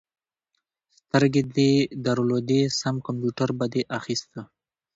سترګې دې درلودې؛ سم کمپيوټر به دې اخيست.